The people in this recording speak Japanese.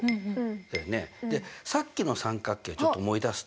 でさっきの三角形ちょっと思い出すと。